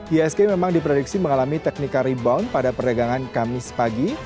isg memang diprediksi mengalami teknika rebound pada perdagangan kamis pagi